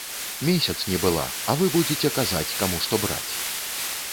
Месяц не была, а вы будзеце казаць, каму што браць.